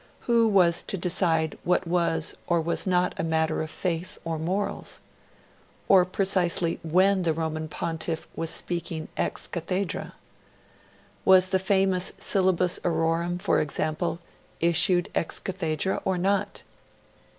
Who was to decide what was or was not a matter of faith or morals? Or precisely WHEN the Roman Pontiff was speaking ex cathedra? Was the famous Syllabus Errorum, for example, issued ex cathedra or not?